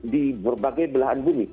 di berbagai belahan bumi